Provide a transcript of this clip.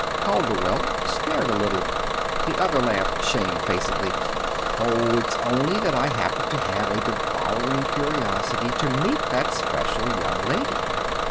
Calderwell stared a little. The other laughed shamefacedly. "Oh, it's only that I happen to have a devouring curiosity to meet that special young lady.